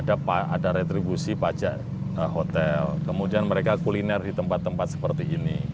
ada retribusi pajak hotel kemudian mereka kuliner di tempat tempat seperti ini